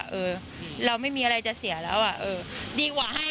เธอก็ทำในสิ่งที่มันผิดกฎหมายดีกว่า